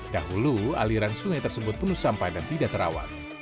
dahulu aliran sungai tersebut penuh sampah dan tidak terawat